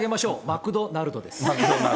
マクドナルドです。